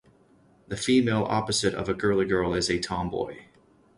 The female opposite of a girly girl is a tomboy.